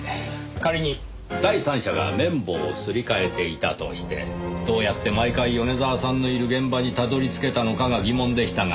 仮に第三者が綿棒をすり替えていたとしてどうやって毎回米沢さんのいる現場にたどり着けたのかが疑問でしたが。